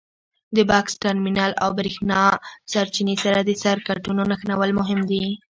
د بکس ټرمینل او برېښنا سرچینې سره د سرکټونو نښلول مهم دي.